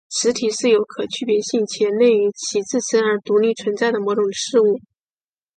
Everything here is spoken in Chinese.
实体是有可区别性且内于其自身而独立存在的某种事物。